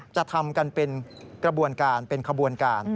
จะทำกันเป็นกระบวนการเป็นขบวนการ